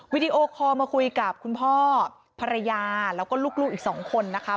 วิดีโอคอลมาคุยกับคุณพ่อภรรยาแล้วก็ลูกอีก๒คนนะคะ